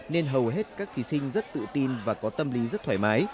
nên hầu hết các thí sinh rất tự tin và có tâm lý rất thoải mái